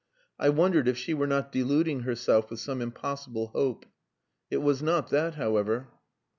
I wondered if she were not deluding herself with some impossible hope. It was not that, however.